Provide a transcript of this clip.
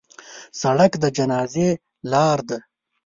سړک د جنازې لار ده.